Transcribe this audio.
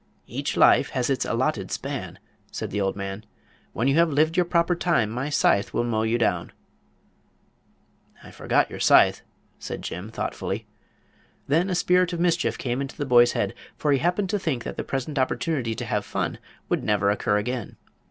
"Each life has its allotted span," said the old man. "When you have lived your proper time my scythe will mow you down." "I forgot your scythe," said Jim, thoughtfully. Then a spirit of mischief came into the boy's head, for he happened to think that the present opportunity to have fun would never occur again.